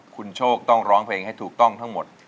คุณโชคต้องร้องเพลงให้ถูกต้องทั้งหมด